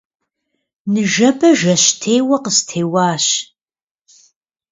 Ныжэбэ жэщтеуэ къыстеуащ.